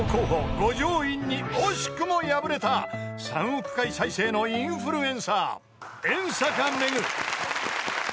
五条院に惜しくも敗れた３億回再生のインフルエンサー遠坂めぐ］